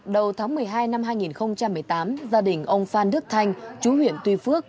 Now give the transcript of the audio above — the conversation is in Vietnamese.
đầu tháng một mươi hai năm hai nghìn một mươi tám gia đình ông phan đức thanh chú huyện tuy phước